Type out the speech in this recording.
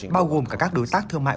bao gồm cả các đối tác thương mại